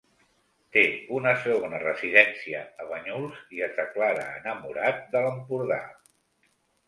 Té una segona residència a Banyuls i es declara enamorat de l'Empordà.